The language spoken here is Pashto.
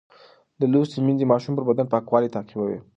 لوستې میندې د ماشوم پر بدن پاکوالی تعقیبوي.